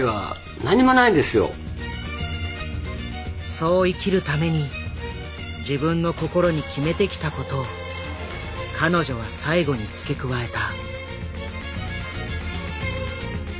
そう生きるために自分の心に決めてきた事を彼女は最後に付け加えた。